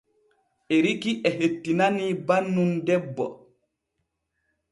Eriki e hettinanii bannun debbo.